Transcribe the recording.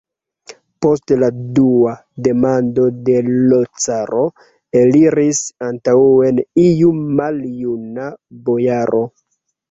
Post la dua demando de l' caro eliris antaŭen iu maljuna bojaro.